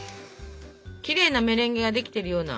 きれいなメレンゲができてるような。